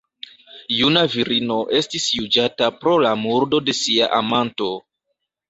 Juna virino estas juĝata pro la murdo de sia amanto.